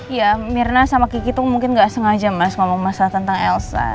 iya mirna sama kiki tuh mungkin nggak sengaja mas ngomong masalah tentang elsa